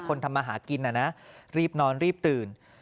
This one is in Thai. ทำมาหากินน่ะนะรีบนอนรีบตื่น